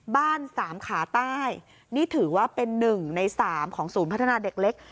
บ้านสามขาใช้นี่ถือว่าเป็นหนึ่งในสามของศูนย์พัฒนาเด็กเล็ก